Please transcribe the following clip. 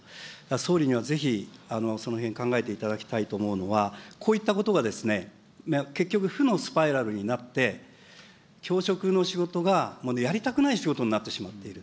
総理にはぜひ、そのへん考えていただきたいと思うのは、こういったことが結局、負のスパイラルになって、教職の仕事が、もうやりたくない仕事になってしまっている。